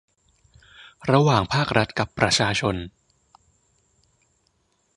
ระหว่างภาครัฐกับประชาชน